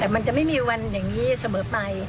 แต่มันจะไม่มีวันอย่างนี้เสมอไป